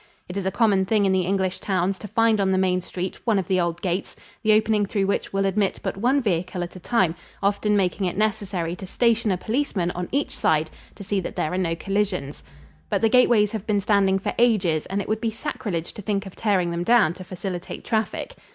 It is a common thing in the English towns to find on the main street one of the old gates, the opening through which will admit but one vehicle at a time, often making it necessary to station a policeman on each side to see that there are no collisions. But the gateways have been standing for ages and it would be sacrilege to think of tearing them down to facilitate traffic.